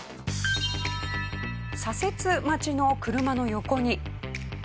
左折待ちの車の横に。